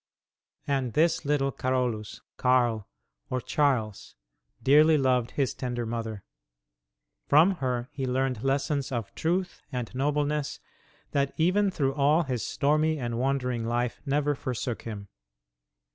And this little Carolus, Karl, or Charles, dearly loved his tender mother. From her he learned lessons of truth and nobleness that even through all his stormy and wandering life never forsook him.